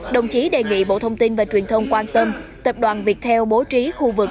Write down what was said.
đồng chí đề nghị bộ thông tin và truyền thông quan tâm tập đoàn viettel bố trí khu vực